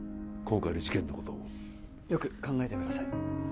今回の事件のこともよく考えてください